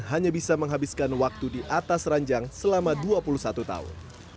hanya bisa menghabiskan waktu di atas ranjang selama dua puluh satu tahun